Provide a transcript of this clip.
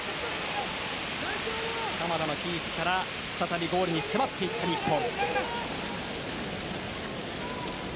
鎌田のキープから再びゴールに迫っていった日本。